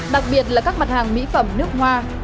đặc biệt là các mặt hàng mỹ phẩm nước hoa